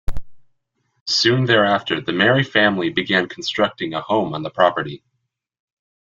Soon thereafter, the Merry family began constructing a home on the property.